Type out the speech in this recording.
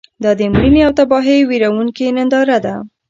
دا د مړینې او تباهۍ ویرونکې ننداره ده.